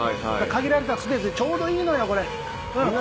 限られたスペースでちょうどいいのよ、これ。